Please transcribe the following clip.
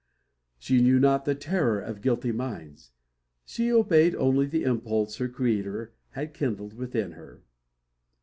She knew not the terror of guilty minds. She obeyed only the impulse her Creator had kindled within her.